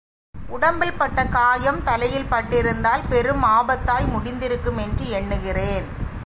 உடம்பில் பட்ட காயம் தலையில் பட்டிருந்தால் பெரும் ஆபத்தாய் முடிந்திருக்குமென்று எண்ணுகிறேன்.